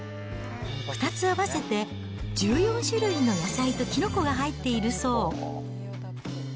２つ合わせて１４種類の野菜ときのこが入っているそう。